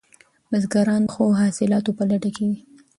بزګران د ښو حاصلاتو په لټه کې دي.